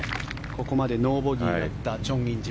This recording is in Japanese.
ここまでノーボギーだったチョン・インジ。